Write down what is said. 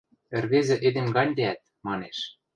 ӹрвезӹ эдем гань лиӓт, манеш.